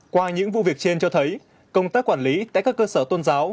qua những vụ việc trên cho thấy công tác quản lý tại các cơ sở tôn giáo